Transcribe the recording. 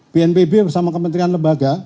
bnpb bersama kementerian lembaga